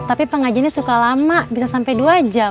tapi pengajiannya suka lama bisa sampai dua jam